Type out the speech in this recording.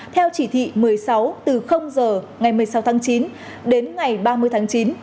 theo chỉ thị một mươi sáu từ giờ ngày một mươi sáu tháng chín đến ngày ba mươi tháng chín